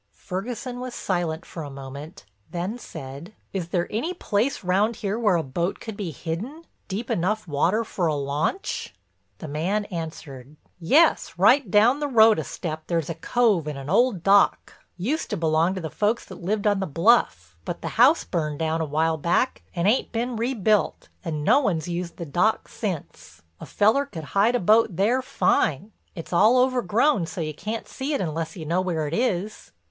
Ferguson was silent for a moment then said: "Is there any place round here where a boat could be hidden, deep enough water for a launch?" The man answered: "Yes, right down the road a step there's a cove and an old dock; used to belong to the folks that lived on the bluff but the house burned down a while back and ain't been rebuilt and no one's used the dock since. A feller could hide a boat there fine; it's all overgrown so you can't see it unless you know where it is."